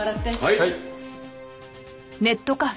はい。